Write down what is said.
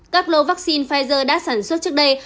các lô vaccine pfizer đã sản xuất trước đây